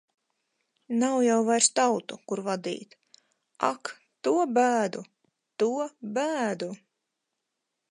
Nav jau vairs tautu, kur vadīt. Ak, to bēdu! To bēdu!